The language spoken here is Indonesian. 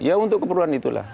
ya untuk keperluan itulah